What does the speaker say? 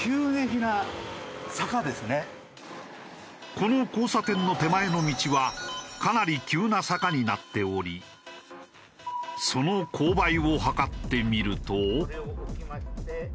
この交差点の手前の道はかなり急な坂になっておりその勾配を測ってみると。